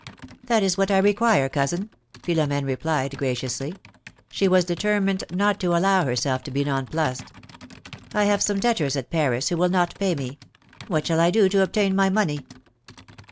^^That is what I require, cousin," Philom^ne replied, graciously ; she was determined not to allow herself to be nonplussed. I have some debtors at Paris who will not pay me ; what shall I do to obtain my money